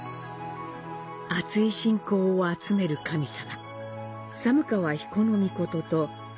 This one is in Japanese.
厚い信仰を集める神様。